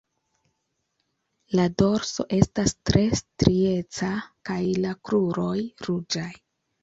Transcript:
La dorso estas tre strieca kaj la kruroj ruĝaj.